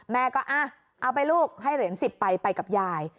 แม่ก็เอาไปลูกให้เหรียญ๑๐ไปไปกับยาย